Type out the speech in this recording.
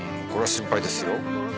これは心配ですよ。